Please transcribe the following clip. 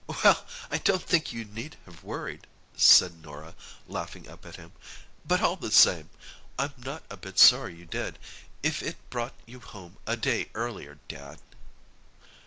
"Well, I don't think you need have worried," said Norah, laughing up at him; "but all the same, I'm not a bit sorry you did, if it brought you home a day earlier, Dad!"